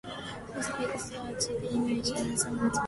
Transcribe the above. She speaks Dutch, English, and some Spanish.